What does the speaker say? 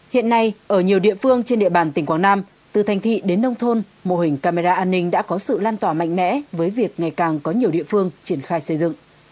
hiện nay ở nhiều địa phương trên địa bàn tỉnh quảng nam từ thành thị đến nông thôn mô hình camera an ninh đã có sự lan tỏa mạnh mẽ với việc ngày càng có nhiều địa phương triển khai xây dựng